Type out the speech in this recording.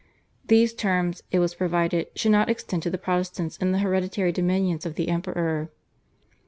These terms, it was provided, should not extend to the Protestants in the hereditary dominions of the Emperor.